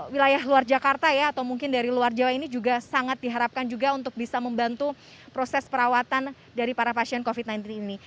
wilayah luar jakarta ya atau mungkin dari luar jawa ini juga sangat diharapkan juga untuk bisa membantu proses perawatan dari para pasien covid sembilan belas ini